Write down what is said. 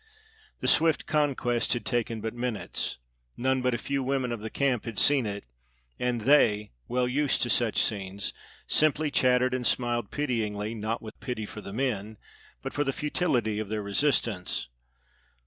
The swift conquest had taken but minutes; none but a few women of the camp had seen it; and they, well used to such scenes, simply chattered and smiled pityingly, not with pity for the men, but for the futility of their resistance.